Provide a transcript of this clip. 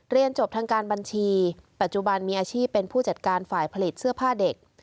เรียนจบทางการบัญชีปัจจุบันมีอาชีพเป็นผู้จัดการฝ่ายผลิตเสื้อผ้าเด็ก